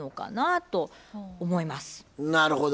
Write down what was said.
なるほど。